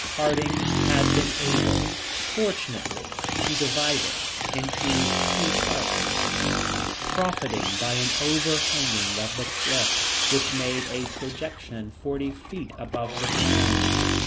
Harding had been able, fortunately, to divide it in two parts, profiting by an overhanging of the cliff which made a projection forty feet above the ground.